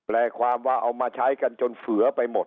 ความว่าเอามาใช้กันจนเฝือไปหมด